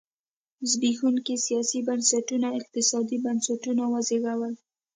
زبېښونکي سیاسي بنسټونو اقتصادي بنسټونه وزېږول.